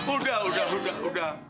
udah udah udah